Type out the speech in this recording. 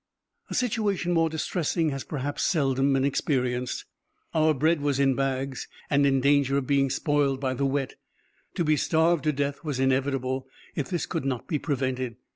A situation more distressing has perhaps seldom been experienced. Our bread was in bags, and in danger of being spoiled by the wet: to be starved to death was inevitable, if this could not be prevented.